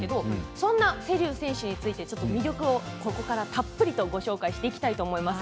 そんな瀬立選手について魅力をたっぷりとご紹介していきたいと思います。